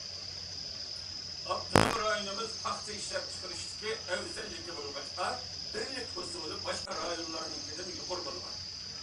ئاپتونوم رايونىمىز پاختا ئىشلەپچىقىرىشتىكى ئەۋزەللىكى بولغاچقا، بىرلىك ھوسۇلى باشقا رايونلارنىڭكىدىن يۇقىرى بولغان.